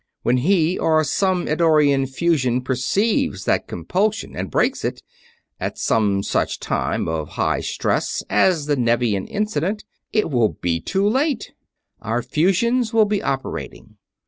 When he or some Eddorian fusion perceives that compulsion and breaks it at some such time of high stress as the Nevian incident it will be too late. Our fusions will be operating.